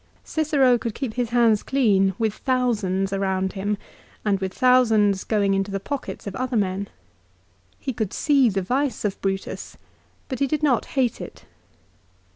Cicero could keep his hands clean with thousands around him, and with thousands going into the pockets of other men. He could see the vice of Brutus, but he did not hate it.